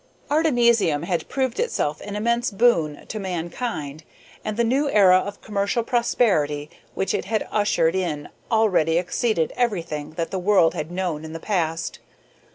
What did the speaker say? Artemisium had proved itself an immense boon to mankind, and the new era of commercial prosperity which it had ushered in already exceeded everything that the world had known in the past.